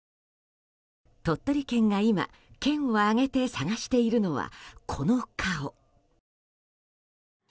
鳥取県が今、県を挙げて探しているのはこの顔。